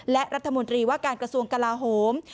และรัฐมนตรีว่าการกระทรวงกลาโหม